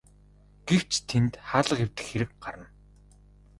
Гэвч тэдэнд хаалга эвдэх хэрэг гарна.